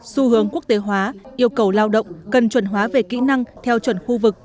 xu hướng quốc tế hóa yêu cầu lao động cần chuẩn hóa về kỹ năng theo chuẩn khu vực